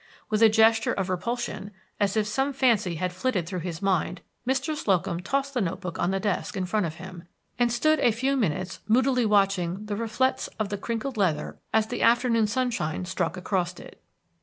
With a gesture of repulsion, as if some such fancy had flitted through his mind, Mr. Slocum tossed the note book on the desk in front of him, and stood a few minutes moodily watching the reflets of the crinkled leather as the afternoon sunshine struck across it.